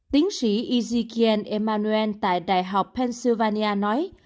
tiến sĩ ezekiel emanuel tại đại học pennsylvania nói